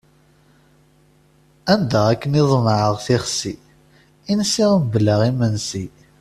Anda akken ḍemɛeɣ tixsi, i nsiɣ mebla imensi.